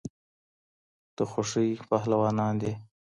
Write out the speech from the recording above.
د خوښۍ پهلوانان دي